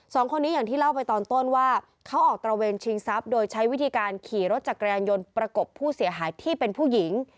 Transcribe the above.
สองคนนี้อย่างที่เล่าไปตอนต้นว่าเขาออกตระเวนชิงทรัพย์โดยใช้วิธีการขี่รถจักรยานยนต์ประกบผู้เสียหายที่เป็นผู้หญิง